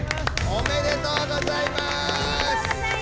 おめでとうございます！